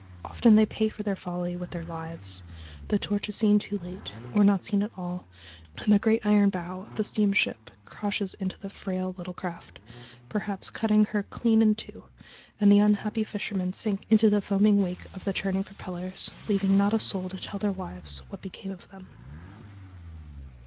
Often they pay for their folly with their lives. The torch is seen too late, or not seen at all, and the great iron bow of the steamship crushes into the frail little craft, perhaps cutting her clean in two; and the unhappy fishermen sink into the foaming wake of the churning propellers, leaving not a soul to tell their wives what became of them. [Illustration: ELECTRIC LIGHT SIGNALS AT SEA: ARDOIS SYSTEM.